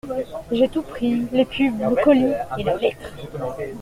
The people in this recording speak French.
J’ai tout pris, les pubs, le colis et la lettre.